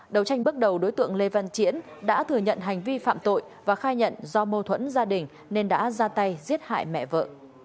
đầu tranh bước đầu đối tượng lê văn triển đã thừa nhận hành vi phạm tội và khai nhận do mâu thuẫn gia đình nên đã ra tay giết hại mẹ vợ